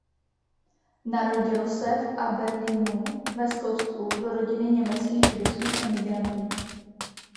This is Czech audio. Narodil se v Aberdeenu ve Skotsku do rodiny německých židovských emigrantů.